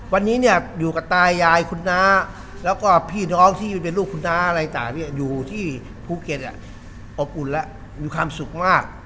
วันนี้เนี่ยอยู่กับตายายคุณน้าแล้วก็พี่น้องที่เป็นลูกคุณน้าอะไรต่างเนี่ยอยู่ที่ภูเก็ตอบอุ่นแล้วมีความสุขมาก